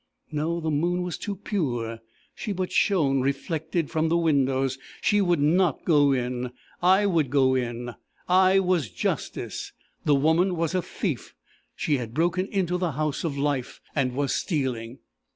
No; the moon was too pure: she but shone reflected from the windows; she would not go in! I would go in! I was Justice! The woman was a thief! She had broken into the house of life, and was stealing!